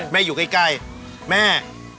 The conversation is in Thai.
แม่อยู่ใกล้